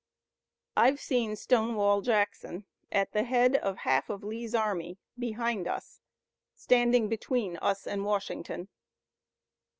"I've seen Stonewall Jackson at the head of half of Lee's army behind us! Standing between us and Washington!"